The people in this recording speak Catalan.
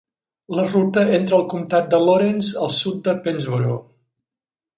La ruta entra al comtat de Lawrence al sud de Pennsboro.